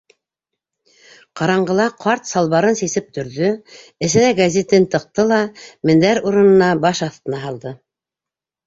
Ҡараңғыла ҡарт салбарын сисеп төрҙө, эсенә гәзитен тыҡты ла мендәр урынына баш аҫтына һалды.